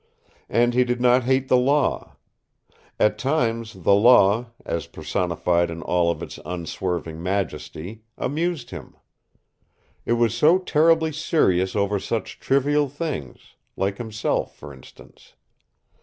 And he did not hate the law. At times the Law, as personified in all of its unswerving majesty, amused him. It was so terribly serious over such trivial things like himself, for instance.